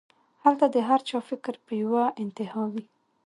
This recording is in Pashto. هلته د هر چا فکر پۀ يوه انتها وي